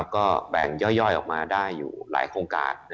ก็แบ่งย่อยออกมาได้อยู่หลายโครงการ